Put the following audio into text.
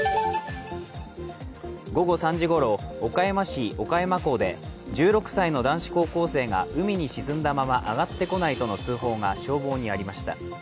午後３時ごろ岡山市岡山港で１６歳の男子高校生が海に沈んだまま上がってこないとの通報が消防にありました。